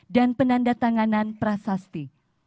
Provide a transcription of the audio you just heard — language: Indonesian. dan penanda tanganan prasasti